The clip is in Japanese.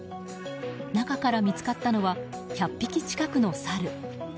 中から見つかったのは１００匹近くのサル。